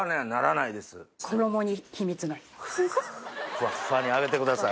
ふわっふわに揚げてください